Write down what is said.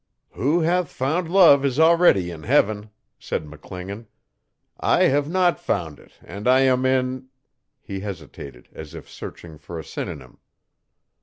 '"Who hath found love is already in Heaven,' said McClingan. 'I have not found it and I am in' he hesitated, as if searching for a synonym.